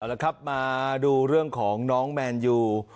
แล้วครับมาดูเรื่องของน้องแมนยู